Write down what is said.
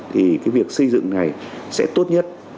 thì cái việc xây dựng này sẽ tốt nhất